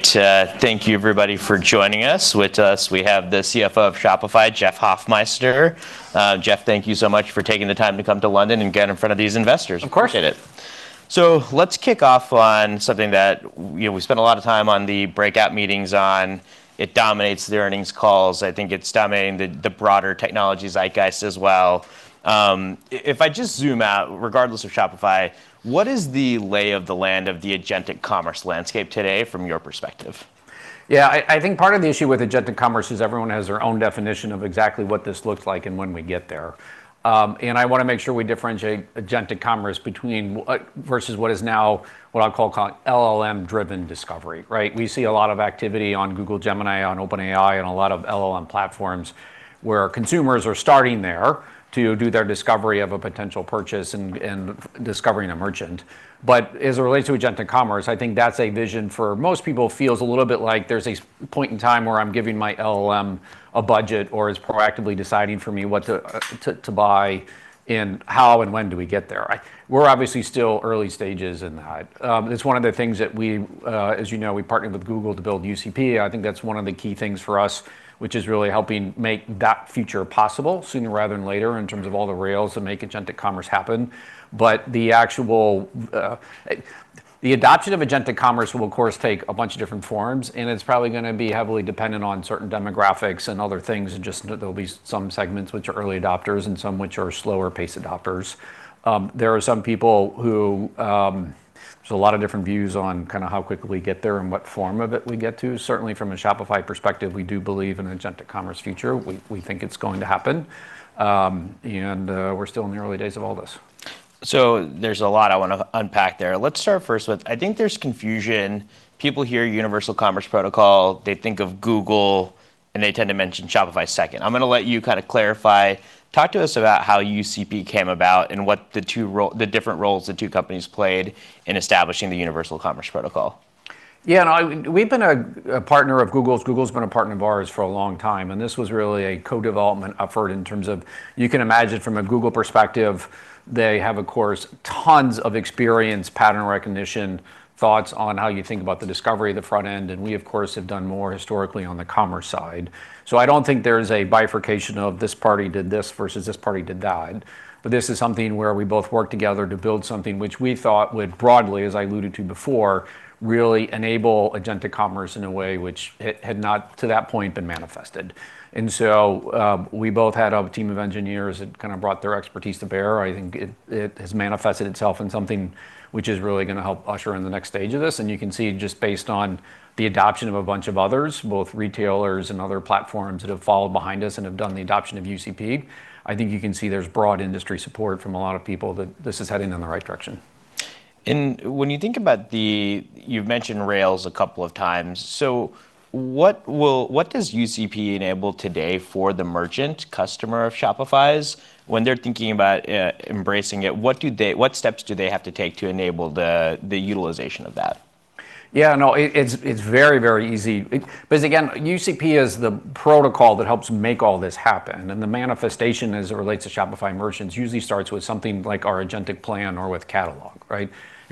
Great. Thank you everybody for joining us. With us, we have the CFO of Shopify, Jeff Hoffmeister. Jeff, thank you so much for taking the time to come to London and get in front of these investors. Of course. Appreciate it. Let's kick off on something that we spent a lot of time on the breakout meetings on, it dominates the earnings calls. I think it's dominating the broader technology zeitgeist as well. If I just zoom out, regardless of Shopify, what is the lay of the land of the agentic commerce landscape today from your perspective? Yeah. I think part of the issue with agentic commerce is everyone has their own definition of exactly what this looks like and when we get there. I want to make sure we differentiate agentic commerce between versus what is now what I'll call LLM-driven discovery. Right? We see a lot of activity on Google Gemini, on OpenAI, and a lot of LLM platforms where consumers are starting there to do their discovery of a potential purchase and discovering a merchant. As it relates to agentic commerce, I think that's a vision for most people feels a little bit like there's a point in time where I'm giving my LLM a budget, or it's proactively deciding for me what to buy and how and when do we get there. We're obviously still early stages in that. It's one of the things that we, as you know, we partnered with Google to build UCP. I think that's one of the key things for us, which is really helping make that future possible sooner rather than later in terms of all the rails that make agentic commerce happen. The adoption of agentic commerce will of course take a bunch of different forms, and it's probably going to be heavily dependent on certain demographics and other things, and just there will be some segments which are early adopters and some which are slower-paced adopters. There are some people who, there's a lot of different views on how quickly we get there and what form of it we get to. Certainly from a Shopify perspective, we do believe in agentic commerce future. We think it's going to happen. We're still in the early days of all this. There's a lot I want to unpack there. Let's start first with, I think there's confusion. People hear Universal Commerce Protocol, they think of Google, and they tend to mention Shopify second. I'm going to let you clarify. Talk to us about how UCP came about and what the different roles the two companies played in establishing the Universal Commerce Protocol. We've been a partner of Google's been a partner of ours for a long time, and this was really a co-development effort in terms of, you can imagine from a Google perspective, they have, of course, tons of experience, pattern recognition, thoughts on how you think about the discovery, the front end, and we of course, have done more historically on the commerce side. I don't think there's a bifurcation of this party did this versus this party did that, but this is something where we both worked together to build something which we thought would broadly, as I alluded to before, really enable agentic commerce in a way which it had not, to that point, been manifested. We both had a team of engineers that brought their expertise to bear. I think it has manifested itself in something which is really going to help usher in the next stage of this, and you can see, just based on the adoption of a bunch of others, both retailers and other platforms that have followed behind us and have done the adoption of UCP. I think you can see there's broad industry support from a lot of people that this is heading in the right direction. When you think about the, you've mentioned rails a couple of times, what does UCP enable today for the merchant customer of Shopify's? When they're thinking about embracing it, what steps do they have to take to enable the utilization of that? Yeah. No, it's very easy. Again, UCP is the protocol that helps make all this happen, and the manifestation as it relates to Shopify merchants usually starts with something like our Agentic plan or with Catalog. Right?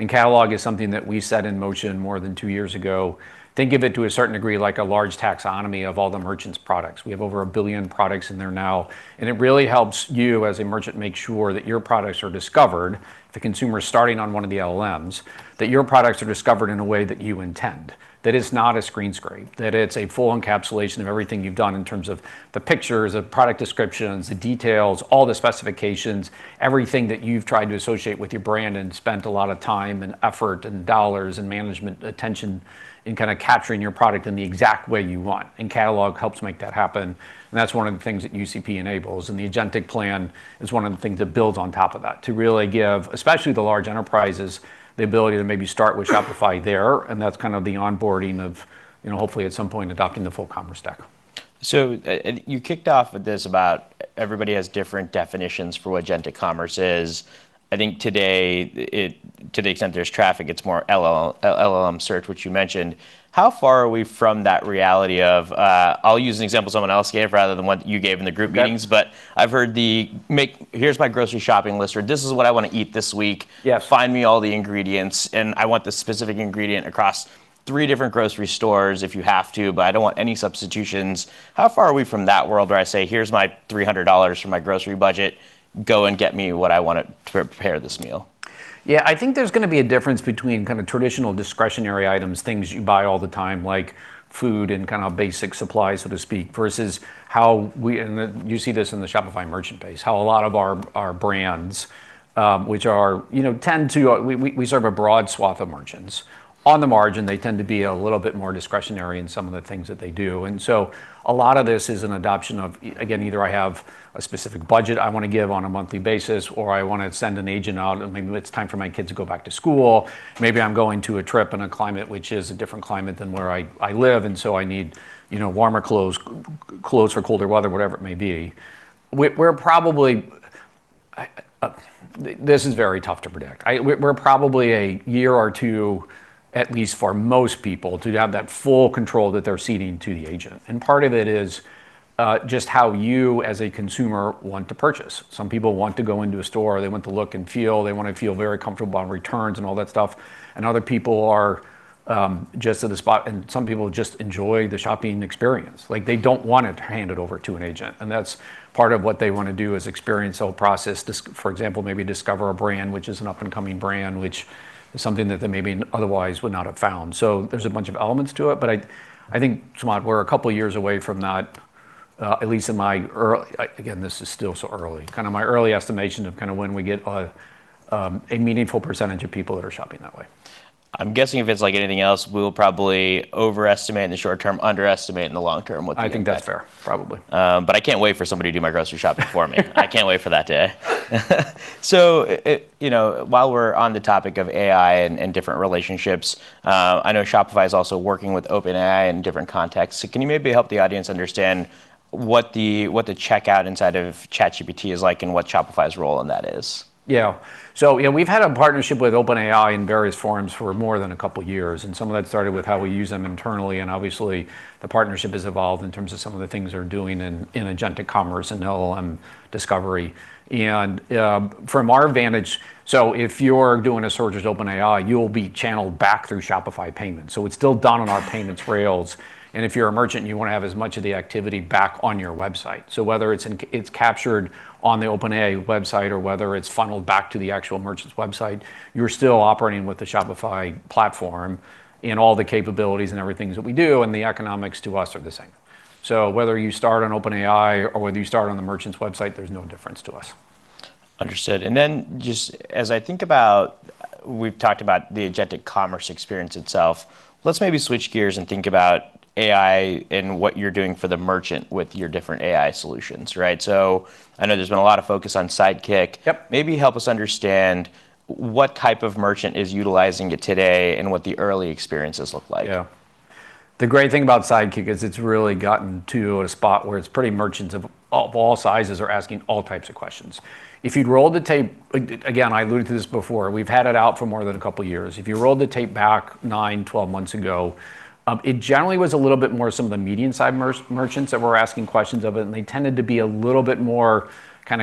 Catalog is something that we set in motion more than two years ago. Think of it to a certain degree, like a large taxonomy of all the merchant's products. We have over a billion products in there now. It really helps you as a merchant make sure that your products are discovered, if the consumer's starting on one of the LLMs, that your products are discovered in a way that you intend, that it's not a screen scrape. That it's a full encapsulation of everything you've done in terms of the pictures, the product descriptions, the details, all the specifications, everything that you've tried to associate with your brand and spent a lot of time and effort, and dollars, and management attention in capturing your product in the exact way you want. Catalog helps make that happen, and that's one of the things that UCP enables. The Agentic plan is one of the things that builds on top of that to really give, especially the large enterprises, the ability to maybe start with Shopify there, and that's the onboarding of, hopefully at some point adopting the full commerce stack. You kicked off with this about everybody has different definitions for what agentic commerce is. I think today, to the extent there's traffic, it's more LLM search, which you mentioned. How far are we from that reality of, I'll use an example someone else gave rather than one that you gave in the group meetings. Okay. I've heard the, "Here's my grocery shopping list," or, "This is what I want to eat this week. Yeah. Find me all the ingredients, and I want this specific ingredient across three different grocery stores if you have to, but I don't want any substitutions." How far are we from that world where I say, "Here's my $300 from my grocery budget. Go and get me what I want to prepare this meal"? I think there's going to be a difference between traditional discretionary items, things you buy all the time, like food and basic supplies, so to speak, versus how we, and you see this in the Shopify merchant base, how a lot of our brands, we serve a broad swath of merchants. On the margin, they tend to be a little bit more discretionary in some of the things that they do. A lot of this is an adoption of, again, either I have a specific budget I want to give on a monthly basis, or I want to send an agent out, maybe it's time for my kids to go back to school. Maybe I'm going to a trip in a climate which is a different climate than where I live, and so I need warmer clothes for colder weather, whatever it may be. This is very tough to predict. We're probably a year or two, at least for most people, to have that full control that they're ceding to the agent. Part of it is just how you as a consumer want to purchase. Some people want to go into a store, they want to look and feel, they want to feel very comfortable about returns and all that stuff, and other people are just to the spot, and some people just enjoy the shopping experience. They don't want it handed over to an agent. That's part of what they want to do is experience the whole process, for example, maybe discover a brand which is an up-and-coming brand, which is something that they maybe otherwise would not have found. There's a bunch of elements to it, but I think, Samad, we're a couple of years away from that, at least in my early estimation of when we get a meaningful percentage of people that are shopping that way. I'm guessing if it's like anything else, we'll probably overestimate in the short term, underestimate in the long term what the impact. I think that's fair. Probably. I can't wait for somebody to do my grocery shopping for me. I can't wait for that day. While we're on the topic of AI and different relationships, I know Shopify is also working with OpenAI in different contexts. Can you maybe help the audience understand what the checkout inside of ChatGPT is like and what Shopify's role in that is? We've had a partnership with OpenAI in various forms for more than a couple of years, and some of that started with how we use them internally, and obviously, the partnership has evolved in terms of some of the things they're doing in agentic commerce and LLM-driven discovery. From our vantage, if you're doing a search with OpenAI, you'll be channeled back through Shopify Payments. It's still done on our payments rails. If you're a merchant, you want to have as much of the activity back on your website. So whether it's captured on the OpenAI website or whether it's funneled back to the actual merchant's website, you're still operating with the Shopify platform and all the capabilities and everything that we do, and the economics to us are the same. Whether you start on OpenAI or whether you start on the merchant's website, there's no difference to us. Understood. Just as I think about, we've talked about the agentic commerce experience itself. Let's maybe switch gears and think about AI and what you're doing for the merchant with your different AI solutions, right? I know there's been a lot of focus on Sidekick. Yep. Maybe help us understand what type of merchant is utilizing it today and what the early experiences look like. Yeah. The great thing about Sidekick is it's really gotten to a spot where merchants of all sizes are asking all types of questions. If you'd roll the tape, again, I alluded to this before, we've had it out for more than a couple of years. If you rolled the tape back 9-12 months ago, it generally was a little bit more some of the medium-sized merchants that were asking questions of it, and they tended to be a little bit more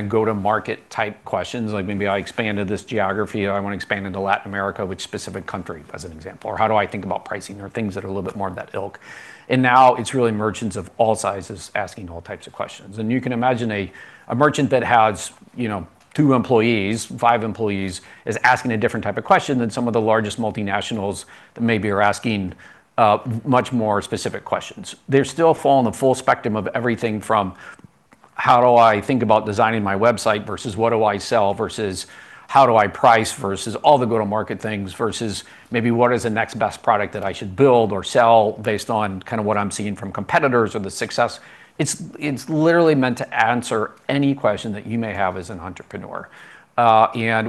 go-to-market-type questions, like maybe I expanded this geography, or I want to expand into Latin America, which specific country, as an example, or how do I think about pricing, or things that are a little bit more of that ilk. Now it's really merchants of all sizes asking all types of questions. You can imagine a merchant that has two employees, five employees, is asking a different type of question than some of the largest multinationals that maybe are asking much more specific questions. They still fall in the full spectrum of everything from how do I think about designing my website versus what do I sell versus how do I price versus all the go-to-market things versus maybe what is the next best product that I should build or sell based on what I'm seeing from competitors or the success. It's literally meant to answer any question that you may have as an entrepreneur.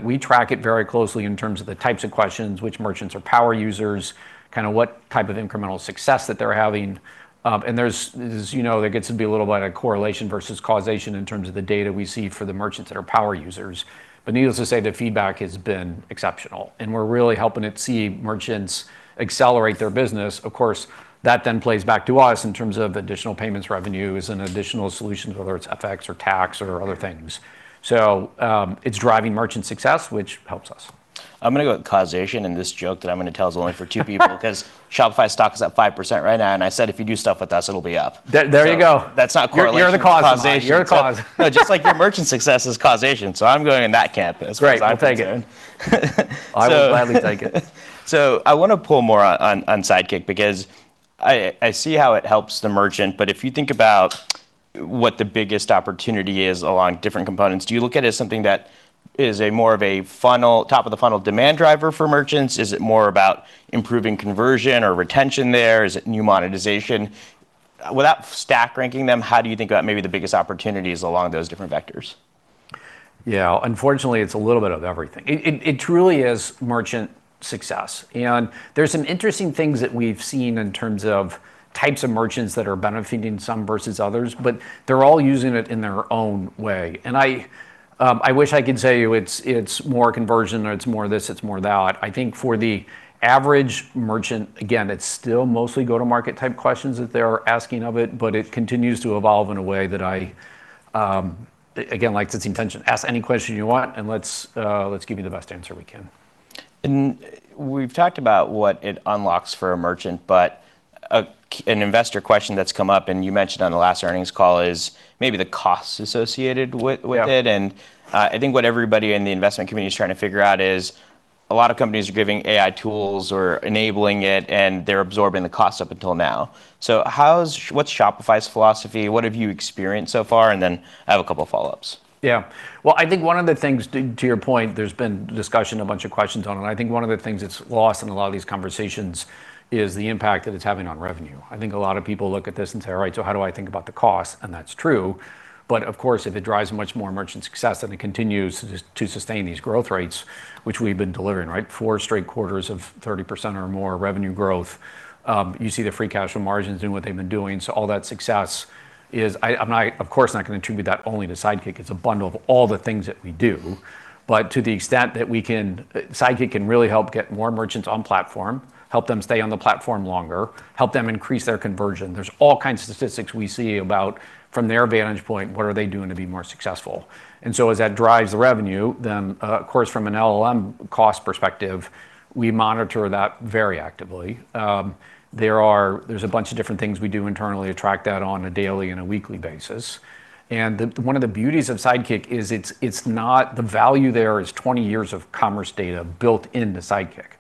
We track it very closely in terms of the types of questions, which merchants are power users, what type of incremental success that they're having. There's, as you know, there gets to be a little bit of correlation versus causation in terms of the data we see for the merchants that are power users. Needless to say, the feedback has been exceptional, and we're really helping it see merchants accelerate their business. Of course, that then plays back to us in terms of additional payments revenues and additional solutions, whether it's FX or tax or other things. It's driving merchant success, which helps us. I'm going to go with causation. This joke that I'm going to tell is only for two people. Because Shopify's stock is up 5% right now, I said if you do stuff with us, it'll be up. There you go. That's not correlation. You're the causation. It's causation. You're the causation. Just like your merchant success is causation. I'm going in that camp as far as I'm concerned. Great. Well, thank you. So- I will gladly take it. I want to pull more on Sidekick because I see how it helps the merchant, but if you think about what the biggest opportunity is along different components, do you look at it as something that is a more of a top-of-the-funnel demand driver for merchants? Is it more about improving conversion or retention there? Is it new monetization? Without stack ranking them, how do you think about maybe the biggest opportunities along those different vectors? Yeah. Unfortunately, it's a little bit of everything. It truly is merchant success. There's some interesting things that we've seen in terms of types of merchants that are benefiting, some versus others, but they're all using it in their own way. I wish I could tell you it's more conversion, or it's more this, it's more that. I think for the average merchant, again, it's still mostly go-to-market-type questions that they're asking of it, but it continues to evolve in a way that I, again, like its intention. Ask any question you want, and let's give you the best answer we can. We've talked about what it unlocks for a merchant, but an investor question that's come up, and you mentioned on the last earnings call, is maybe the costs associated with it. Yeah. I think what everybody in the investment community is trying to figure out is. A lot of companies are giving AI tools or enabling it, and they're absorbing the cost up until now. What's Shopify's philosophy? What have you experienced so far? I have a couple of follow-ups. Well, I think one of the things, to your point, there's been discussion, a bunch of questions on it. I think one of the things that's lost in a lot of these conversations is the impact that it's having on revenue. I think a lot of people look at this and say, "All right, how do I think about the cost?" That's true. Of course, if it drives much more merchant success, then it continues to sustain these growth rates, which we've been delivering, right? Four straight quarters of 30% or more revenue growth. You see the free cash flow margins doing what they've been doing. All that success is, I'm of course not going to attribute that only to Sidekick. It's a bundle of all the things that we do. To the extent that Sidekick can really help get more merchants on-platform, help them stay on the platform longer, help them increase their conversion. There's all kinds of statistics we see about, from their vantage point, what are they doing to be more successful? As that drives the revenue, then of course from an LLM cost perspective, we monitor that very actively. There's a bunch of different things we do internally to track that on a daily and a weekly basis. One of the beauties of Sidekick is it's not the value there is 20 years of commerce data built into Sidekick.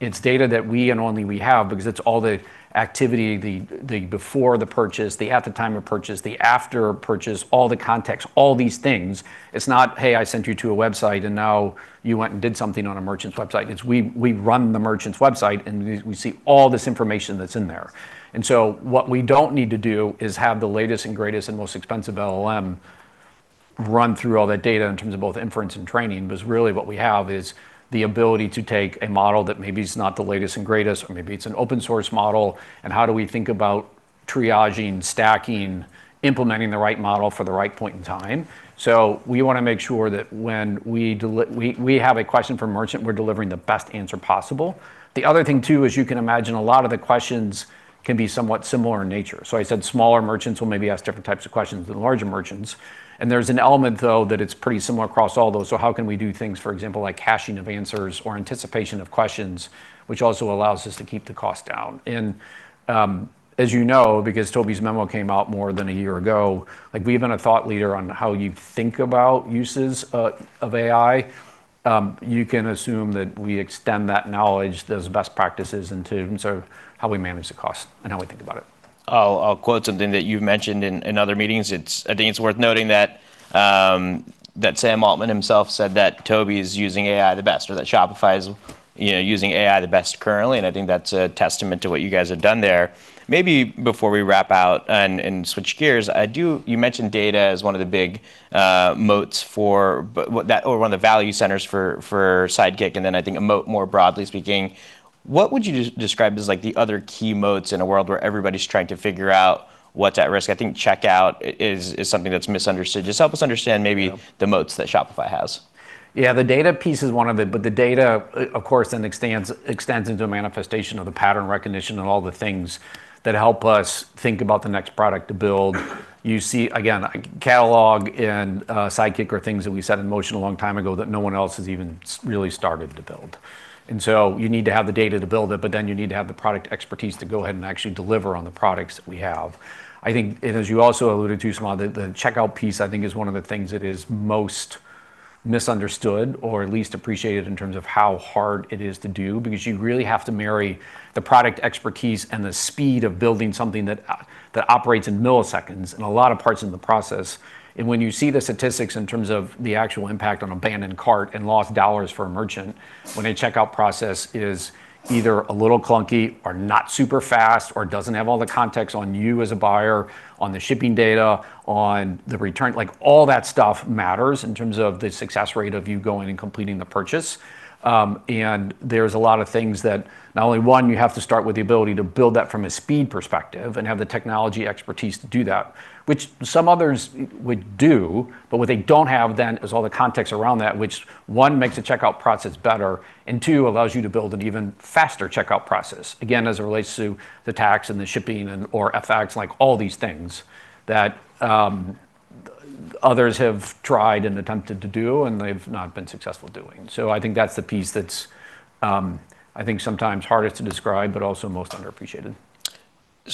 It's data that we and only we have because it's all the activity, the before the purchase, the at the time of purchase, the after purchase, all the context, all these things. It's not, hey, I sent you to a website and now you went and did something on a merchant's website. It's we run the merchant's website, and we see all this information that's in there. What we don't need to do is have the latest and greatest and most expensive LLM run through all that data in terms of both inference and training, because really what we have is the ability to take a model that maybe is not the latest and greatest, or maybe it's an open-source model, and how do we think about triaging, stacking, implementing the right model for the right point in time. We want to make sure that when we have a question from a merchant, we're delivering the best answer possible. The other thing too is you can imagine a lot of the questions can be somewhat similar in nature. I said smaller merchants will maybe ask different types of questions than larger merchants. There's an element though that it's pretty similar across all those. How can we do things, for example, like caching of answers or anticipation of questions, which also allows us to keep the cost down. As you know, because Tobi's memo came out more than a year ago, we've been a thought leader on how you think about uses of AI. You can assume that we extend that knowledge, those best practices into how we manage the cost and how we think about it. I'll quote something that you've mentioned in other meetings. I think it's worth noting that Sam Altman himself said that Tobi's using AI the best, or that Shopify is using AI the best currently, and I think that's a testament to what you guys have done there. Maybe before we wrap out and switch gears, you mentioned data as one of the big moats for, or one of the value centers for Sidekick, and then I think a moat more broadly speaking. What would you describe as the other key moats in a world where everybody's trying to figure out what's at risk? I think checkout is something that's misunderstood. Just help us understand maybe the moats that Shopify has. Yeah, the data piece is one of it, but the data, of course, then extends into a manifestation of the pattern recognition and all the things that help us think about the next product to build. You see, again, Catalog and Sidekick are things that we set in motion a long time ago that no one else has even really started to build. You need to have the data to build it, you need to have the product expertise to go ahead and actually deliver on the products that we have. I think, as you also alluded to, Samana, the checkout piece I think is one of the things that is most misunderstood or least appreciated in terms of how hard it is to do because you really have to marry the product expertise and the speed of building something that operates in milliseconds in a lot of parts in the process. When you see the statistics in terms of the actual impact on abandoned cart and lost dollars for a merchant when a checkout process is either a little clunky or not super fast or doesn't have all the context on you as a buyer, on the shipping data, on the return, all that stuff matters in terms of the success rate of you going and completing the purchase. There's a lot of things that not only one, you have to start with the ability to build that from a speed perspective and have the technology expertise to do that, which some others would do, but what they don't have then is all the context around that, which one, makes the checkout process better, and two, allows you to build an even faster checkout process. Again, as it relates to the tax and the shipping and or FX, like all these things that others have tried and attempted to do and they've not been successful doing. I think that's the piece that's I think sometimes hardest to describe but also most underappreciated.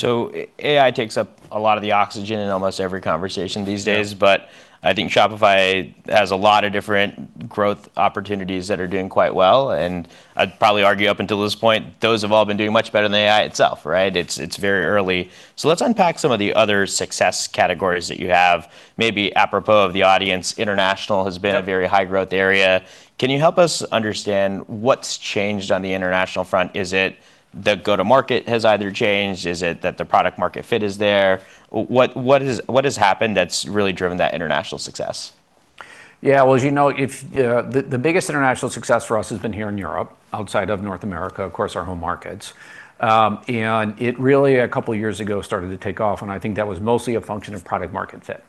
AI takes up a lot of the oxygen in almost every conversation these days. Yeah. I think Shopify has a lot of different growth opportunities that are doing quite well, and I'd probably argue up until this point, those have all been doing much better than AI itself, right? It's very early. Let's unpack some of the other success categories that you have. Maybe apropos of the audience, international has been- Yeah.... a very high-growth area. Can you help us understand what's changed on the international front? Is it the go-to-market has either changed? Is it that the product market fit is there? What has happened that's really driven that international success? Yeah. Well, as you know, the biggest international success for us has been here in Europe, outside of North America, of course, our home markets. It really a couple of years ago started to take off, and I think that was mostly a function of product market fit.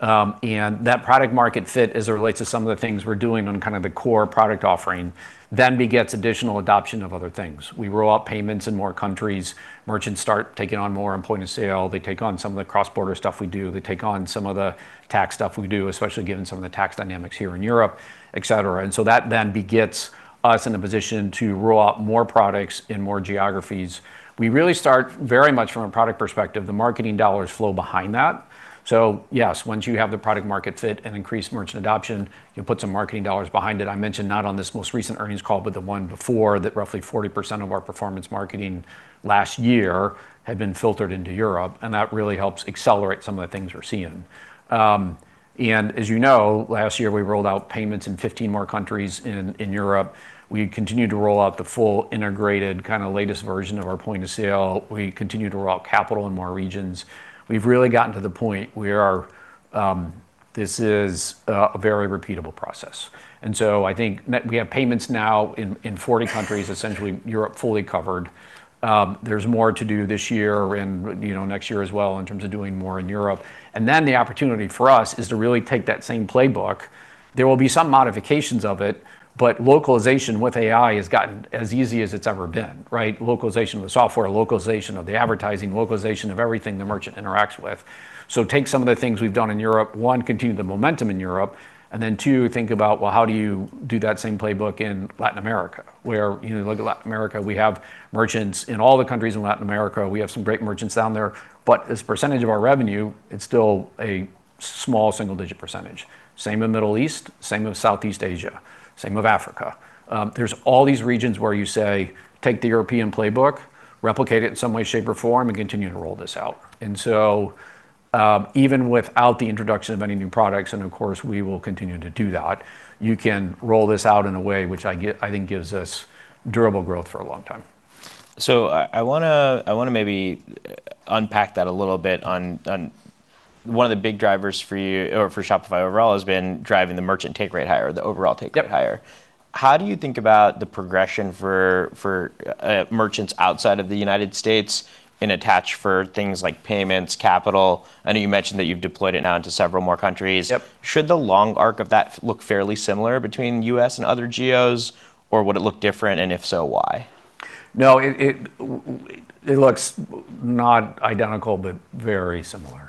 That product market fit as it relates to some of the things we're doing on kind of the core product offering then begets additional adoption of other things. We roll out payments in more countries, merchants start taking on more elements of sale. They take on some of the cross-border stuff we do. They take on some of the tax stuff we do, especially given some of the tax dynamics here in Europe, et cetera. That then begets us in a position to roll out more products in more geographies. We really start very much from a product perspective, the marketing dollars flow behind that. Yes, once you have the product market fit and increased merchant adoption, you put some marketing dollars behind it. I mentioned not on this most recent earnings call, but the one before that roughly 40% of our performance marketing last year had been filtered into Europe, and that really helps accelerate some of the things we're seeing. As you know, last year we rolled out payments in 15 more countries in Europe. We continued to roll out the full integrated kind of latest version of our point of sale. We continued to roll out capital in more regions. We've really gotten to the point where this is a very repeatable process. I think we have payments now in 40 countries, essentially Europe fully covered. There's more to do this year and next year as well in terms of doing more in Europe. The opportunity for us is to really take that same playbook. There will be some modifications of it, but localization with AI has gotten as easy as it's ever been, right? Localization of the software, localization of the advertising, localization of everything the merchant interacts with. Take some of the things we've done in Europe, one, continue the momentum in Europe, two, think about, well, how do you do that same playbook in Latin America? Where you look at Latin America, we have merchants in all the countries in Latin America. We have some great merchants down there. But as a percentage of our revenue, it's still a small single-digit percentage. Same in Middle East, same with Southeast Asia, same with Africa. There's all these regions where you say, take the European playbook, replicate it in some way, shape, or form, and continue to roll this out. Even without the introduction of any new products, and of course, we will continue to do that, you can roll this out in a way which I think gives us durable growth for a long time. I want to maybe unpack that a little bit on one of the big drivers for you or for Shopify overall has been driving the merchant take rate higher, the overall take rate higher. Yep. How do you think about the progression for merchants outside of the United States in attach for things like payments, capital? I know you mentioned that you've deployed it now into several more countries. Yep. Should the long arc of that look fairly similar between the U.S. and other geos, or would it look different, and if so, why? No, it looks not identical, but very similar.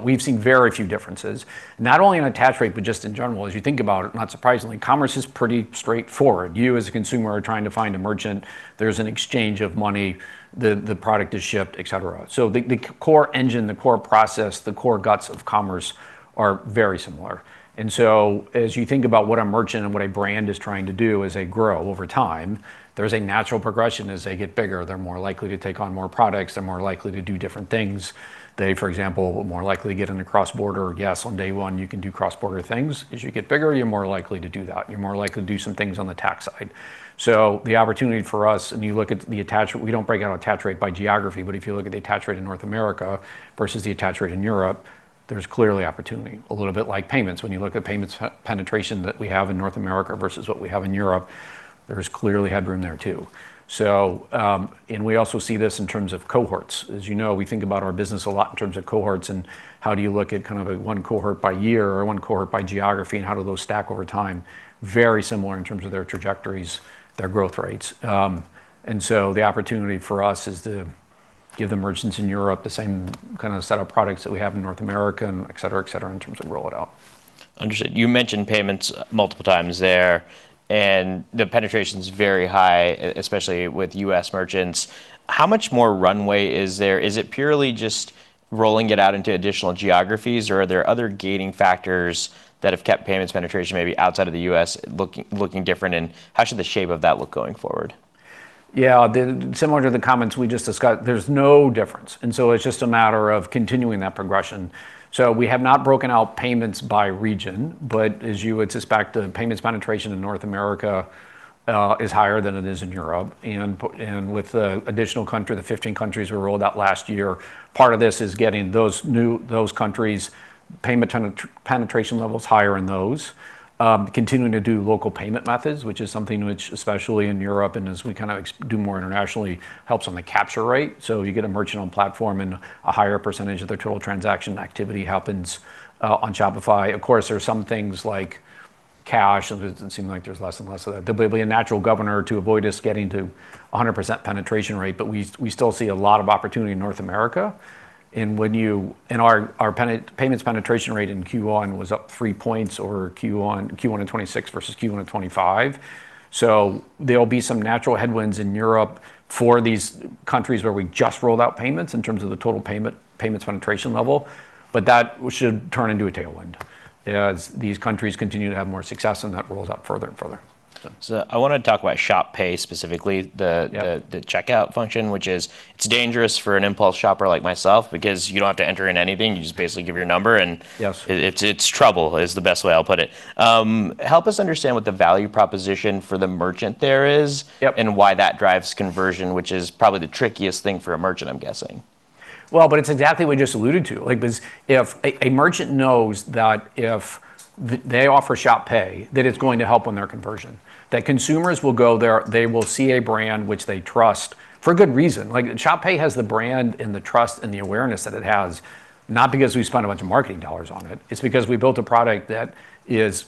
We've seen very few differences, not only in attach rate, but just in general, as you think about it, not surprisingly, commerce is pretty straightforward. You, as a consumer, are trying to find a merchant. There's an exchange of money, the product is shipped, et cetera. The core engine, the core process, the core guts of commerce are very similar. As you think about what a merchant and what a brand is trying to do as they grow over time, there's a natural progression. As they get bigger, they're more likely to take on more products. They're more likely to do different things. They, for example, are more likely to get into cross-border. Yes, on day one, you can do cross-border things. As you get bigger, you're more likely to do that. You're more likely to do some things on the tax side. The opportunity for us, and you look at the attach, we don't break out attach rate by geography, but if you look at the attach rate in North America versus the attach rate in Europe, there's clearly opportunity. A little bit like payments. When you look at payments penetration that we have in North America versus what we have in Europe, there's clearly headroom there, too. We also see this in terms of cohorts. As you know, we think about our business a lot in terms of cohorts and how do you look at one cohort by year or one cohort by geography, and how do those stack over time? Very similar in terms of their trajectories, their growth rates. The opportunity for us is to give the merchants in Europe the same set of products that we have in North America and et cetera, et cetera, in terms of roll it out. Understood. You mentioned payments multiple times there, and the penetration's very high, especially with U.S. merchants. How much more runway is there? Is it purely just rolling it out into additional geographies, or are there other gating factors that have kept payments penetration maybe outside of the U.S. looking different, and how should the shape of that look going forward? Yeah. Similar to the comments we just discussed, there's no difference, it's just a matter of continuing that progression. We have not broken out payments by region, but as you would suspect, the payments penetration in North America is higher than it is in Europe. With the additional country, the 15 countries we rolled out last year, part of this is getting those countries' payment penetration levels higher in those, continuing to do local payment methods, which is something which, especially in Europe and as we do more internationally, helps on the capture rate. You get a merchant on platform and a higher percentage of their total transaction activity happens on Shopify. Of course, there are some things like cash, it would seem like there's less and less of that. There'll be a natural governor to avoid us getting to 100% penetration rate. We still see a lot of opportunity in North America, and our payments penetration rate in Q1 was up 3 points over Q1 in 2026 versus Q1 in 2025. There'll be some natural headwinds in Europe for these countries where we just rolled out payments in terms of the total payments penetration level. That should turn into a tailwind as these countries continue to have more success and that rolls out further and further. I want to talk about Shop Pay specifically. Yeah. The checkout function, which is, it's dangerous for an impulse shopper like myself because you don't have to enter in anything. You just basically give your number. Yes. It's trouble, is the best way I'll put it. Help us understand what the value proposition for the merchant there is. Yep. Why that drives conversion, which is probably the trickiest thing for a merchant, I'm guessing. It's exactly what you just alluded to. Because if a merchant knows that if they offer Shop Pay, that it's going to help on their conversion, that consumers will go there, they will see a brand which they trust for good reason. Shop Pay has the brand and the trust and the awareness that it has, not because we spent a bunch of marketing dollars on it. It's because we built a product that is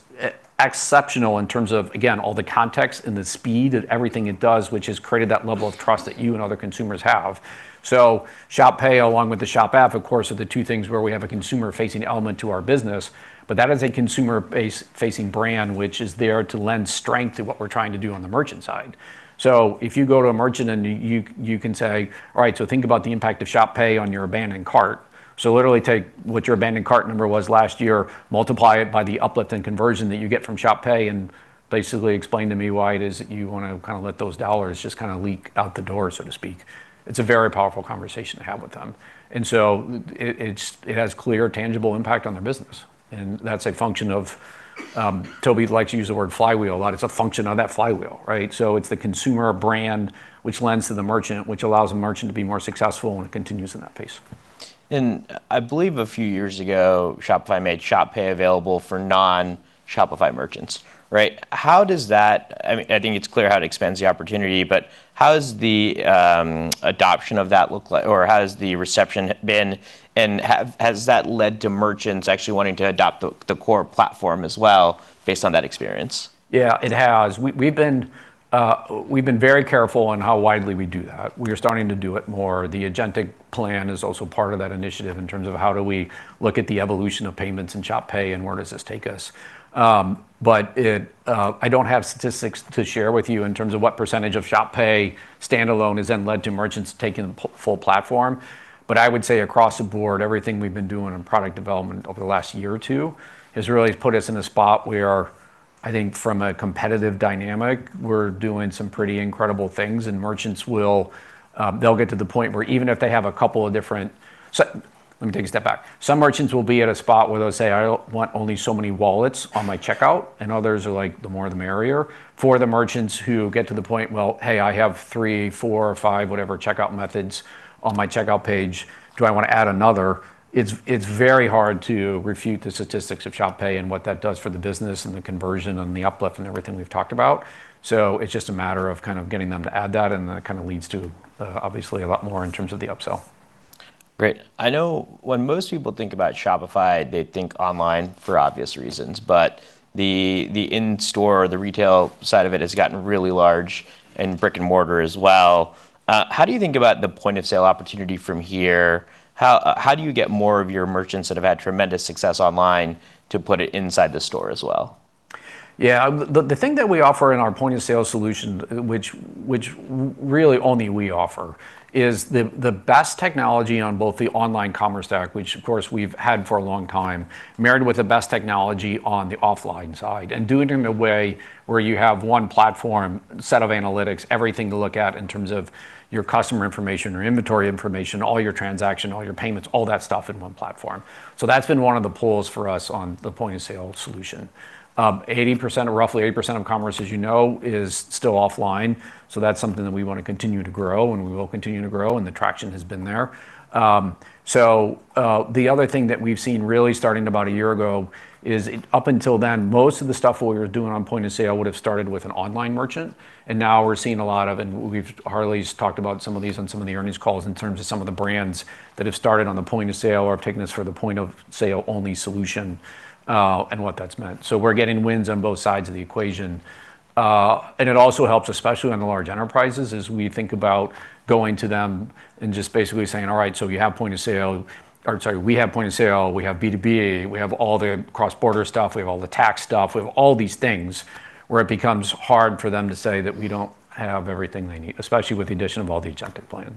exceptional in terms of, again, all the context and the speed of everything it does, which has created that level of trust that you and other consumers have. Shop Pay, along with the Shop App, of course, are the two things where we have a consumer-facing element to our business. That is a consumer-facing brand, which is there to lend strength to what we're trying to do on the merchant side. If you go to a merchant and you can say, all right, think about the impact of Shop Pay on your abandoned cart. Literally take what your abandoned cart number was last year, multiply it by the uplift in conversion that you get from Shop Pay, and basically explain to me why it is that you want to let those dollars just leak out the door, so to speak. It's a very powerful conversation to have with them. It has clear, tangible impact on their business, and that's a function of, Tobi likes to use the word flywheel a lot. It's a function of that flywheel, right? It's the consumer brand which lends to the merchant, which allows the merchant to be more successful, and it continues in that pace. I believe a few years ago, Shopify made Shop Pay available for non-Shopify merchants. Right? I think it's clear how it expands the opportunity, how does the adoption of that look like, or how has the reception been, and has that led to merchants actually wanting to adopt the core platform as well based on that experience? Yeah. It has. We've been very careful on how widely we do that. We are starting to do it more. The Agentic plan is also part of that initiative in terms of how do we look at the evolution of payments and Shop Pay, and where does this take us? I don't have statistics to share with you in terms of what percentage of Shop Pay standalone has then led to merchants taking the full platform. I would say across the board, everything we've been doing in product development over the last year or two has really put us in a spot where, I think from a competitive dynamic, we're doing some pretty incredible things. Let me take a step back. Some merchants will be at a spot where they'll say, "I want only so many wallets on my checkout," and others are like, "The more the merrier." For the merchants who get to the point, "Well, hey, I have three, four, or five, whatever checkout methods on my checkout page. Do I want to add another?" It's very hard to refute the statistics of Shop Pay and what that does for the business and the conversion and the uplift and everything we've talked about. It's just a matter of kind of getting them to add that, and that kind of leads to obviously a lot more in terms of the upsell. Great. I know when most people think about Shopify, they think online for obvious reasons. The in-store or the retail side of it has gotten really large in brick and mortar as well. How do you think about the point of sale opportunity from here? How do you get more of your merchants that have had tremendous success online to put it inside the store as well? Yeah. The thing that we offer in our point of sale solution, which really only we offer, is the best technology on both the online commerce stack, which of course we've had for a long time, married with the best technology on the offline side, and doing it in a way where you have one platform, set of analytics, everything to look at in terms of your customer information, your inventory information, all your transaction, all your payments, all that stuff in one platform. That's been one of the pulls for us on the point-of-sale solution. Roughly 80% of commerce, as you know, is still offline, that's something that we want to continue to grow, and we will continue to grow, and the traction has been there. The other thing that we've seen really starting about a year ago is up until then, most of the stuff we were doing on point of sale would've started with an online merchant. Now we're seeing a lot of, and Harley's talked about some of these on some of the earnings calls in terms of some of the brands that have started on the point of sale or have taken us for the point of sale only solution, and what that's meant. We're getting wins on both sides of the equation. It also helps, especially on the large enterprises, as we think about going to them and just basically saying, "All right, so we have point of sale." We have point of sale, we have B2B, we have all the cross-border stuff, we have all the tax stuff. We have all these things where it becomes hard for them to say that we don't have everything they need, especially with the addition of all the Agentic plan.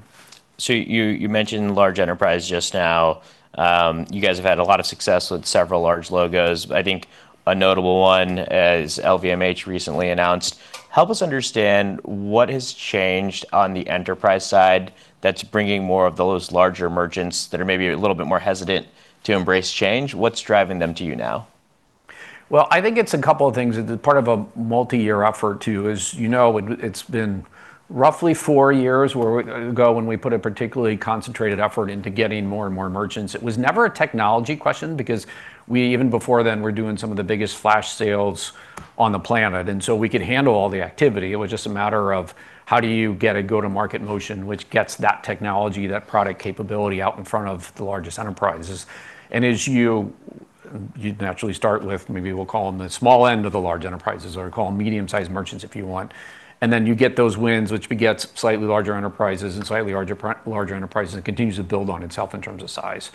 You mentioned large enterprise just now. You guys have had a lot of success with several large logos. I think a notable one is LVMH recently announced. Help us understand what has changed on the enterprise side that's bringing more of those larger merchants that are maybe a little bit more hesitant to embrace change. What's driving them to you now? I think it's a couple of things. Part of a multi-year effort too. As you know, it's been roughly four years ago when we put a particularly concentrated effort into getting more and more merchants. It was never a technology question because we, even before then, were doing some of the biggest flash sales on the planet, and so we could handle all the activity. It was just a matter of how do you get a go-to-market motion, which gets that technology, that product capability out in front of the largest enterprises. As you'd naturally start with, maybe we'll call them the small end of the large enterprises, or call them medium-sized merchants if you want, and then you get those wins, which begets slightly larger enterprises, and continues to build on itself in terms of size.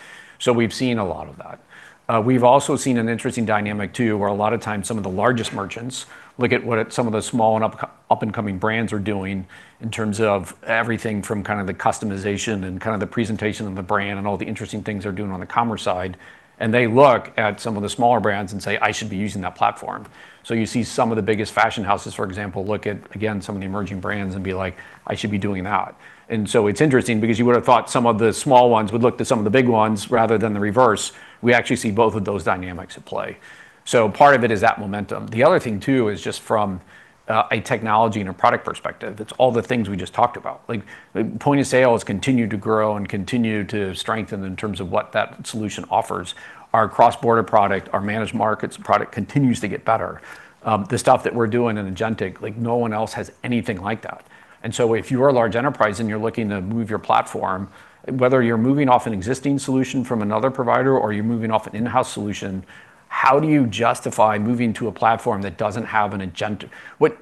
We've seen a lot of that. We've also seen an interesting dynamic, too, where a lot of times some of the largest merchants look at what some of the small and up-and-coming brands are doing in terms of everything from kind of the customization and kind of the presentation of the brand and all the interesting things they're doing on the commerce side, and they look at some of the smaller brands and say, "I should be using that platform." You see some of the biggest fashion houses, for example, look at, again, some of the emerging brands and be like, "I should be doing that." It's interesting because you would've thought some of the small ones would look to some of the big ones rather than the reverse. We actually see both of those dynamics at play. Part of it is that momentum. The other thing, too, is just from a technology and a product perspective. That's all the things we just talked about. Point of sale has continued to grow and continued to strengthen in terms of what that solution offers. Our cross-border product, our Managed Markets product continues to get better. The stuff that we're doing in agentic, no one else has anything like that. If you are a large enterprise and you're looking to move your platform, whether you're moving off an existing solution from another provider or you're moving off an in-house solution, how do you justify moving to a platform that doesn't have an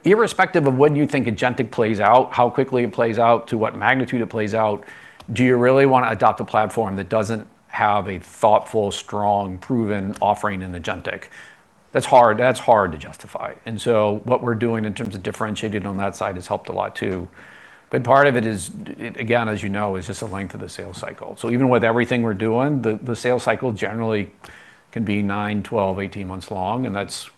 Irrespective of when you think agentic plays out, how quickly it plays out, to what magnitude it plays out, do you really want to adopt a platform that doesn't have a thoughtful, strong, proven offering in agentic? That's hard to justify. What we're doing in terms of differentiating on that side has helped a lot, too. Part of it is, again, as you know, is just the length of the sales cycle. Even with everything we're doing, the sales cycle generally can be 9, 12, 18 months long, and the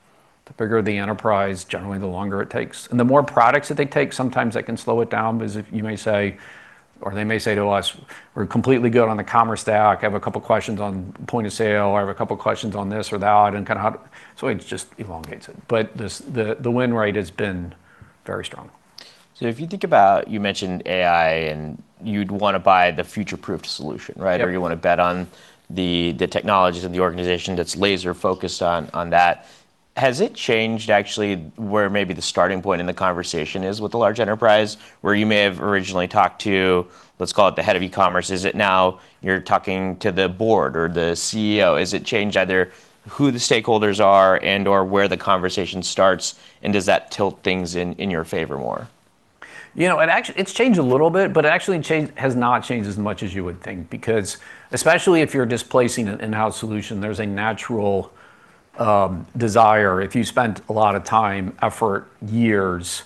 bigger the enterprise, generally the longer it takes. The more products that they take, sometimes that can slow it down because you may say, or they may say to us, "We're completely good on the commerce stack. I have a couple questions on point of sale, or I have a couple questions on this or that," and kind of it just elongates it. The win rate has been very strong. If you think about, you mentioned AI, and you'd want to buy the future-proofed solution, right? Yep. Or you want to bet on the technologies of the organization that's laser-focused on that. Has it changed actually where maybe the starting point in the conversation is with the large enterprise, where you may have originally talked to, let's call it the head of e-commerce? Is it now you're talking to the board or the CEO? Has it changed either who the stakeholders are and/or where the conversation starts, and does that tilt things in your favor more? It's changed a little bit, but it actually has not changed as much as you would think, because especially if you're displacing an in-house solution, there's a natural desire, if you spent a lot of time, effort, years,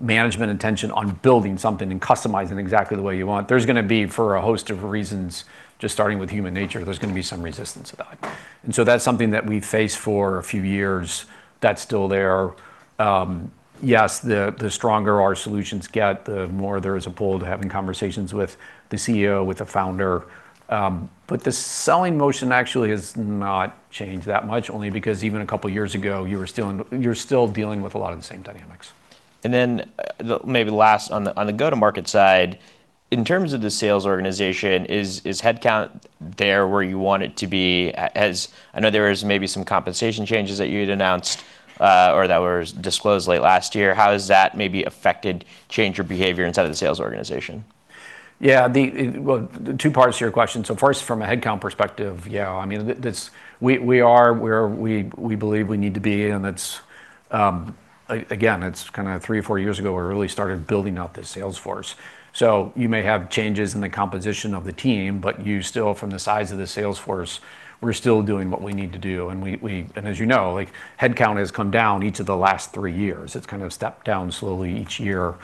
management attention on building something and customizing it exactly the way you want, there's going to be, for a host of reasons, just starting with human nature, there's going to be some resistance about it. That's something that we've faced for a few years. That's still there. Yes, the stronger our solutions get, the more there is a pull to having conversations with the CEO, with the founder. The selling motion actually has not changed that much, only because even a couple of years ago, you're still dealing with a lot of the same dynamics. Maybe last on the go-to-market side, in terms of the sales organization, is headcount there where you want it to be? I know there was maybe some compensation changes that you had announced, or that were disclosed late last year. How has that maybe affected change of behavior inside of the sales organization? Two parts to your question. First, from a headcount perspective, yeah, we are where we believe we need to be, and again, it's kind of three or four years ago we really started building out the sales force. You may have changes in the composition of the team, but you still, from the size of the sales force, we're still doing what we need to do, and as you know, headcount has come down each of the last three years. It's kind of stepped down slowly each year.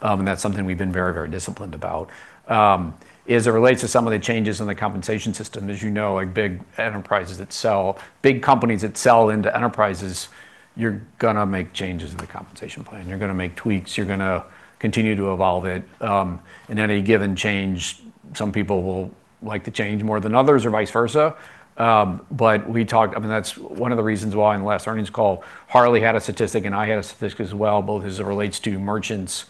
That's something we've been very disciplined about. As it relates to some of the changes in the compensation system, as you know, big enterprises that sell, big companies that sell into enterprises, you're going to make changes in the compensation plan. You're going to make tweaks. You're going to continue to evolve it. In any given change, some people will like the change more than others or vice versa. That's one of the reasons why in the last earnings call, Harley had a statistic, and I had a statistic as well, both as it relates to merchants.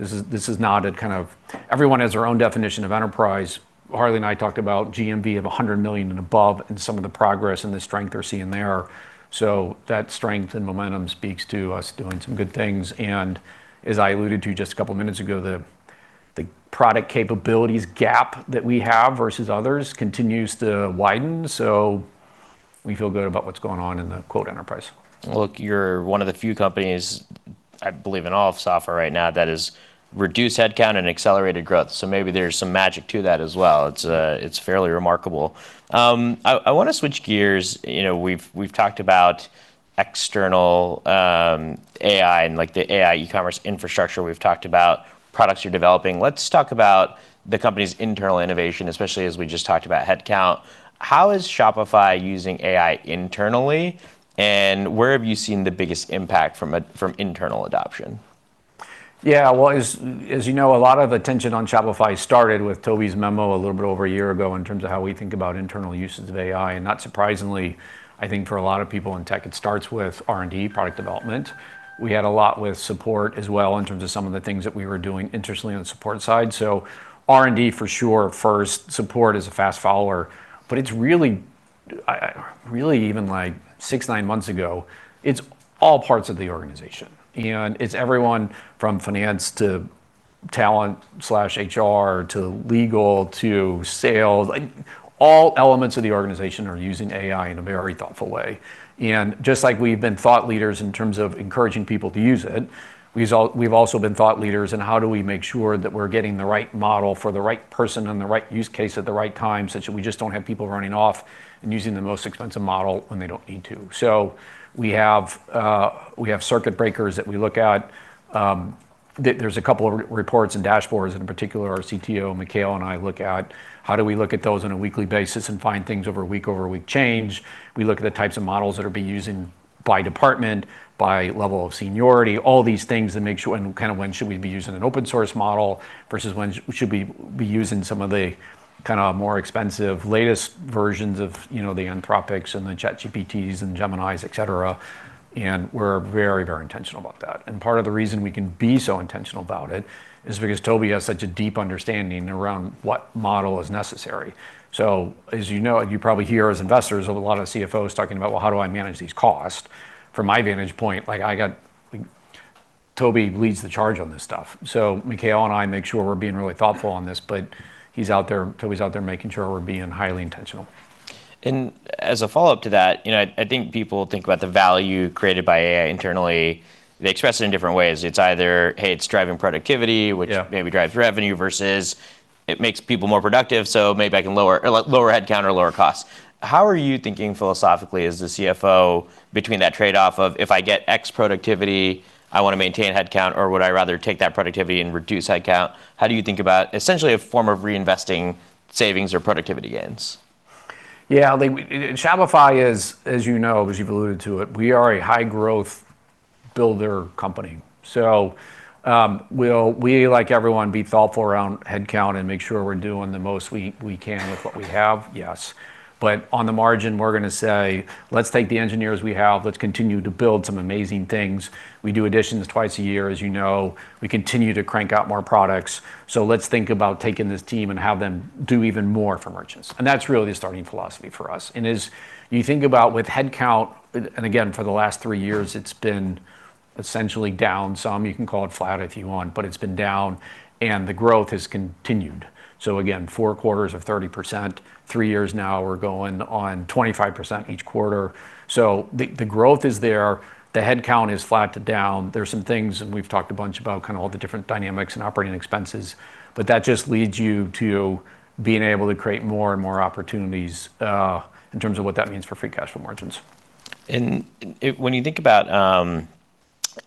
Everyone has their own definition of enterprise. Harley and I talked about GMV of $100 million and above and some of the progress and the strength they're seeing there. That strength and momentum speaks to us doing some good things, and as I alluded to just a couple of minutes ago, the product capabilities gap that we have versus others continues to widen. We feel good about what's going on in the quote enterprise. Look, you're one of the few companies, I believe in all of software right now, that has reduced headcount and accelerated growth. Maybe there's some magic to that as well. It's fairly remarkable. I want to switch gears. We've talked about external AI and the AI e-commerce infrastructure. We've talked about products you're developing. Let's talk about the company's internal innovation, especially as we just talked about headcount. How is Shopify using AI internally, and where have you seen the biggest impact from internal adoption? Well, as you know, a lot of attention on Shopify started with Tobi's memo a little bit over a year ago in terms of how we think about internal uses of AI, and not surprisingly, I think for a lot of people in tech, it starts with R&D product development. We had a lot with support as well in terms of some of the things that we were doing interestingly on the support side. R&D for sure first, support is a fast follower, but it's really even six, nine months ago, it's all parts of the organization. It's everyone from finance to talent/HR to legal to sales. All elements of the organization are using AI in a very thoughtful way. Just like we've been thought leaders in terms of encouraging people to use it, we've also been thought leaders in how do we make sure that we're getting the right model for the right person and the right use case at the right time, such that we just don't have people running off and using the most expensive model when they don't need to. We have circuit breakers that we look at. There's a couple of reports and dashboards in particular our CTO, Mikhail, and I look at, how do we look at those on a weekly basis and find things over week-over-week change? We look at the types of models that are being used by department, by level of seniority, all these things, and kind of when should we be using an open source model versus when should we be using some of the more expensive latest versions of the Anthropic's and the ChatGPT's and Gemini's, et cetera. We're very intentional about that. Part of the reason we can be so intentional about it is because Tobi has such a deep understanding around what model is necessary. As you know, you probably hear as investors, a lot of CFOs talking about, well, how do I manage these costs? From my vantage point, Tobi leads the charge on this stuff. Mikhail and I make sure we're being really thoughtful on this, but Tobi's out there making sure we're being highly intentional. As a follow-up to that, I think people think about the value created by AI internally. They express it in different ways. It's either, hey, it's driving productivity- Yeah. Which maybe drives revenue, versus it makes people more productive, so maybe I can lower headcount or lower costs. How are you thinking philosophically as the CFO between that trade-off of if I get X productivity, I want to maintain headcount, or would I rather take that productivity and reduce headcount? How do you think about essentially a form of reinvesting savings or productivity gains? Yeah. Shopify is, as you've alluded to it, we are a high-growth builder company. Will we, like everyone, be thoughtful around headcount and make sure we're doing the most we can with what we have? Yes. On the margin, we're going to say, "Let's take the engineers we have. Let's continue to build some amazing things." We do Editions twice a year, as you know. We continue to crank out more products. Let's think about taking this team and have them do even more for merchants. That's really the starting philosophy for us. As you think about with headcount, again, for the last three years, it's been essentially down some, you can call it flat if you want, but it's been down, and the growth has continued. Again, four quarters of 30%, three years now, we're going on 25% each quarter. The growth is there. The headcount is flat to down. There's some things, and we've talked a bunch about kind of all the different dynamics and operating expenses, but that just leads you to being able to create more and more opportunities, in terms of what that means for free cash flow margins. When you think about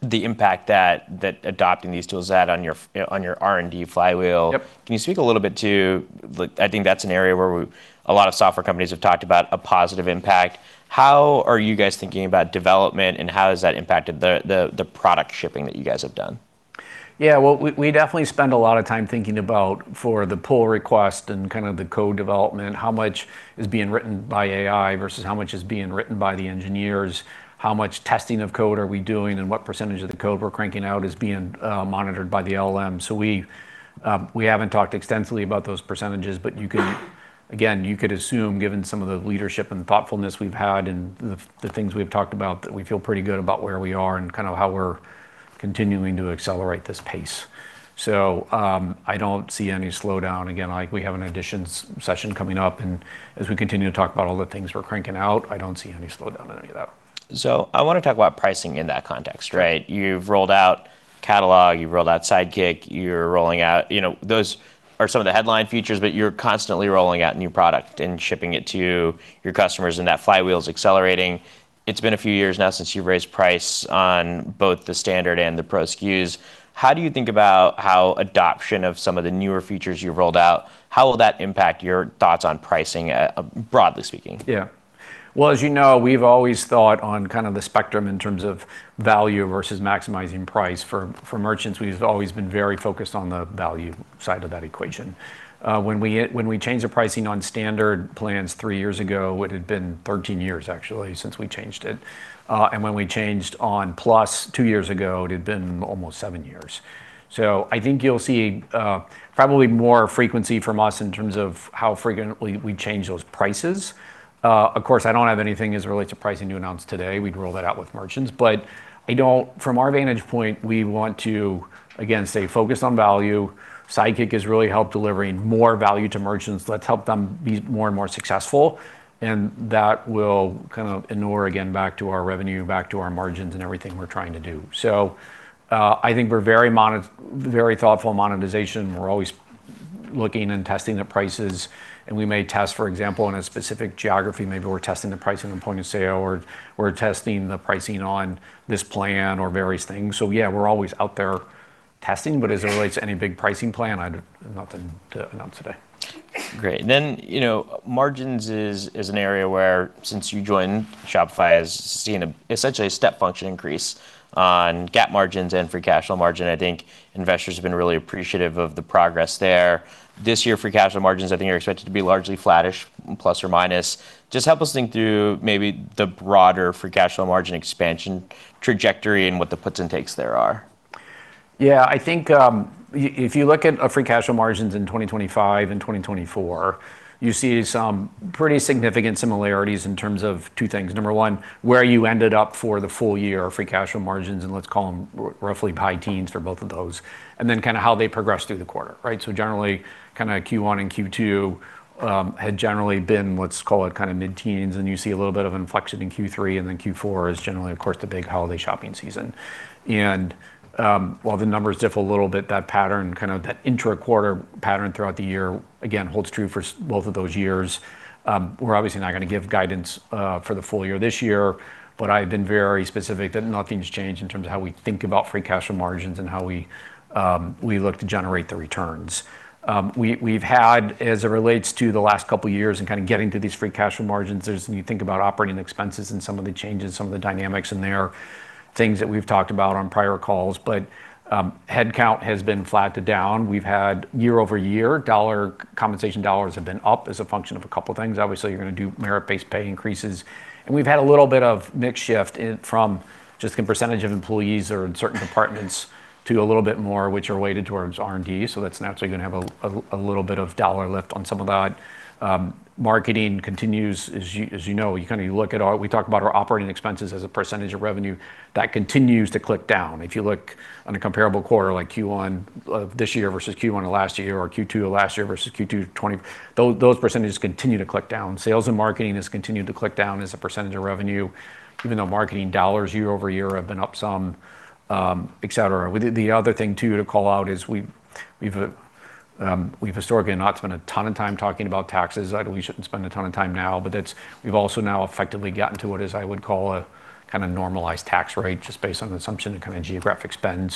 the impact that adopting these tools had on your R&D flywheel. Yep. Can you speak a little bit to, I think that's an area where a lot of software companies have talked about a positive impact. How are you guys thinking about development, and how has that impacted the product shipping that you guys have done? Yeah. Well, we definitely spend a lot of time thinking about for the pull request and kind of the code development, how much is being written by AI versus how much is being written by the engineers, how much testing of code are we doing, and what percentage of the code we're cranking out is being monitored by the LLM. We haven't talked extensively about those percentages, but you can, again, you could assume, given some of the leadership and thoughtfulness we've had and the things we've talked about, that we feel pretty good about where we are and kind of how we're continuing to accelerate this pace. I don't see any slowdown. Again, we have an Editions session coming up, and as we continue to talk about all the things we're cranking out, I don't see any slowdown in any of that. I want to talk about pricing in that context, right? You've rolled out Catalog, you've rolled out Sidekick, you're rolling out, those are some of the headline features, but you're constantly rolling out new product and shipping it to your customers, and that flywheel's accelerating. It's been a few years now since you've raised price on both the standard and the Pro SKUs. How do you think about how adoption of some of the newer features you've rolled out, how will that impact your thoughts on pricing, broadly speaking? Yeah. Well, as you know, we've always thought on kind of the spectrum in terms of value versus maximizing price for merchants. We've always been very focused on the value side of that equation. When we changed the pricing on standard plans three years ago, it had been 13 years, actually, since we changed it. When we changed on +2 years ago, it had been almost seven years. I think you'll see probably more frequency from us in terms of how frequently we change those prices. Of course, I don't have anything as it relates to pricing to announce today. We'd roll that out with merchants. But from our vantage point, we want to, again, stay focused on value. Sidekick has really helped delivering more value to merchants. Let's help them be more and more successful, that will kind of inure, again, back to our revenue, back to our margins and everything we're trying to do. I think we're very thoughtful in monetization. We're always looking and testing the prices, and we may test, for example, in a specific geography, maybe we're testing the pricing on point of sale, or we're testing the pricing on this plan or various things. Yeah, we're always out there testing, but as it relates to any big pricing plan, I have nothing to announce today. Great. Then, margins is an area where, since you joined, Shopify has seen essentially a step-function increase on GAAP margins and free cash flow margin. I think investors have been really appreciative of the progress there. This year, free cash flow margins, I think, are expected to be largely flattish, plus or minus. Just help us think through maybe the broader free cash flow margin expansion trajectory and what the puts and takes there are. Yeah. I think, if you look at free cash flow margins in 2025 and 2024, you see some pretty significant similarities in terms of two things. Number one, where you ended up for the full year, free cash flow margins, and let's call them roughly high teens for both of those, and then kind of how they progressed through the quarter, right? Generally, kind of Q1 and Q2, had generally been, let's call it kind of mid-teens, and you see a little bit of inflection in Q3, and then Q4 is generally, of course, the big holiday shopping season. While the numbers differ a little bit, that pattern, kind of that intra-quarter pattern throughout the year, again, holds true for both of those years. We're obviously not going to give guidance for the full year this year. I've been very specific that nothing's changed in terms of how we think about free cash flow margins and how we look to generate the returns. We've had, as it relates to the last couple of years in kind of getting to these free cash flow margins, there's when you think about operating expenses and some of the changes, some of the dynamics in there, things that we've talked about on prior calls. Headcount has been flat to down. We've had year-over-year compensation dollars have been up as a function of a couple of things. Obviously, you're going to do merit-based pay increases. We've had a little bit of mix shift from just the percentage of employees or in certain departments to a little bit more, which are weighted towards R&D. That's naturally going to have a little bit of dollar lift on some of that. Marketing continues, as you know, we talk about our operating expenses as a percentage of revenue. That continues to click down. If you look on a comparable quarter like Q1 of this year versus Q1 of last year, or Q2 of last year versus Q2 2026, those percentages continue to click down. Sales and marketing has continued to click down as a percentage of revenue, even though marketing dollars year-over-year have been up some, et cetera. The other thing, too, to call out is we've historically not spent a ton of time talking about taxes. I know we shouldn't spend a ton of time now. We've also now effectively gotten to what is, I would call, a kind of normalized tax rate, just based on assumption and kind of geographic spend.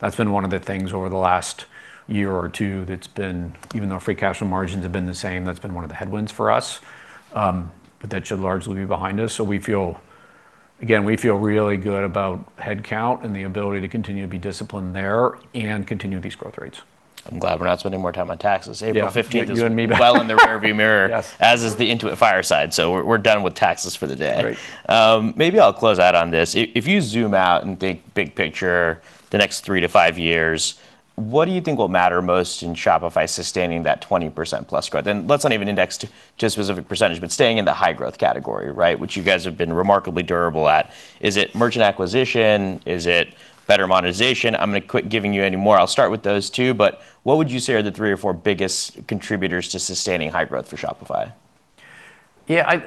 That's been one of the things over the last year or two that's been, even though free cash flow margins have been the same, that's been one of the headwinds for us. That should largely be behind us. We feel really good about head count and the ability to continue to be disciplined there, and continue these growth rates. I'm glad we're not spending more time on taxes. April 15th is. Yeah. You and me both. Well in the rearview mirror. Yes. As is the Intuit Fireside. We're done with taxes for the day. Great. Maybe I'll close out on this. If you zoom out and think big picture, the next three to five years, what do you think will matter most in Shopify sustaining that 20%+ growth? Let's not even index to a specific percentage, but staying in the high growth category, right, which you guys have been remarkably durable at. Is it merchant acquisition? Is it better monetization? I'm going to quit giving you any more. I'll start with those two, but what would you say are the three or four biggest contributors to sustaining high growth for Shopify? Yeah.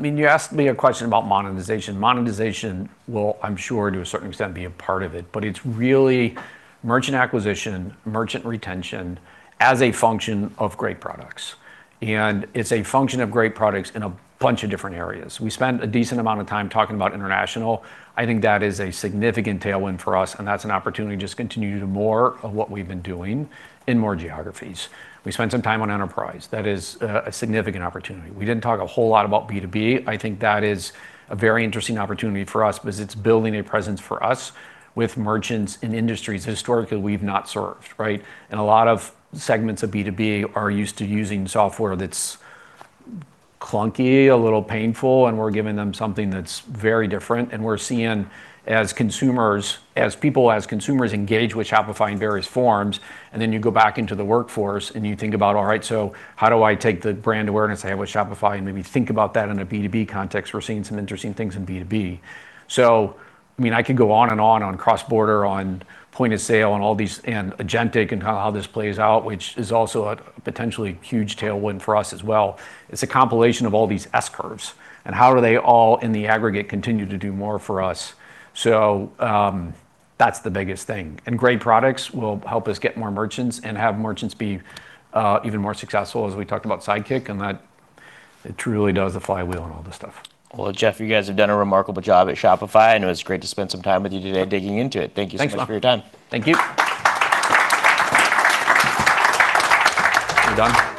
You asked me a question about monetization. Monetization will, I'm sure, to a certain extent, be a part of it, but it's really merchant acquisition, merchant retention, as a function of great products. It's a function of great products in a bunch of different areas. We spent a decent amount of time talking about international. I think that is a significant tailwind for us, and that's an opportunity to just continue to do more of what we've been doing in more geographies. We spent some time on enterprise. That is a significant opportunity. We didn't talk a whole lot about B2B. I think that is a very interesting opportunity for us because it's building a presence for us with merchants in industries historically we've not served, right? A lot of segments of B2B are used to using software that's clunky, a little painful, and we're giving them something that's very different, and we're seeing as people, as consumers engage with Shopify in various forms, and then you go back into the workforce and you think about, all right, so how do I take the brand awareness I have with Shopify and maybe think about that in a B2B context. We're seeing some interesting things in B2B. I could go on and on on cross-border, on point-of-sale, and agentic and how this plays out, which is also a potentially huge tailwind for us as well. It's a compilation of all these S curves, and how do they all, in the aggregate, continue to do more for us. That's the biggest thing. Great products will help us get more merchants and have merchants be even more successful. As we talked about Sidekick and that it truly does the flywheel on all this stuff. Well, Jeff, you guys have done a remarkable job at Shopify. I know it's great to spend some time with you today digging into it. Thank you so much- Thanks, man for your time. Thank you. We're done.